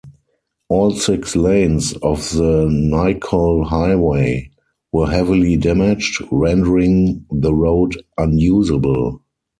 All six lanes of the Nicoll Highway were heavily damaged, rendering the road unusable.